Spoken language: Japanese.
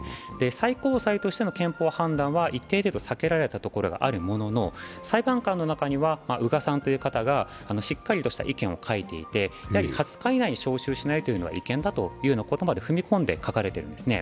最高裁としての憲法判断は、一定程度、避けられたところがあるものの裁判官の中にはウガさんという方がしっかりとした意見を書いていて、違憲だというようなことまで踏み込んで書かれているんですね。